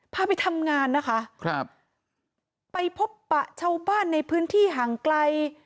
พาไปทำงานนะคะครับไปพบปะชาวบ้านในพื้นที่ห่างไกล